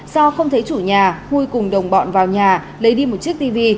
do không thấy chủ nhà huy cùng đồng bọn vào nhà lấy đi một chiếc tv